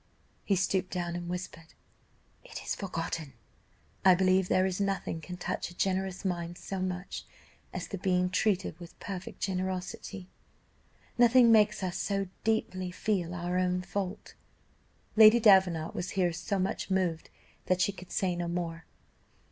He stooped down and whispered, 'It is forgotten.' "I believe there is nothing can touch a generous mind so much as the being treated with perfect generosity nothing makes us so deeply feel our own fault." Lady Davenant was here so much moved that she could say no more.